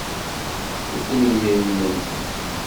Fuken yidrimen-nni.